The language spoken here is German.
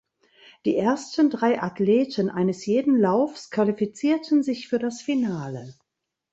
Die ersten drei Athleten eines jeden Laufs qualifizierten sich für das Finale.